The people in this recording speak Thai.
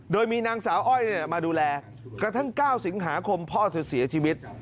โดยมีนางสาวอ้อยมาดูแลกระทั่ง๙สิงหาคมพ่อเธอเสียชีวิต